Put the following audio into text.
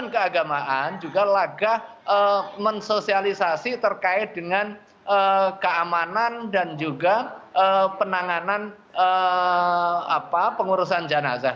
keagamaan juga laga mensosialisasi terkait dengan keamanan dan juga penanganan pengurusan jenazah